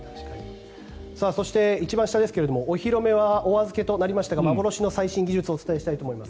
そして、一番下ですがお披露目は預けとなりましたが幻の最新技術をお伝えしたいと思います。